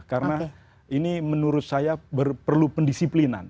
karena ini menurut saya perlu pendisiplinan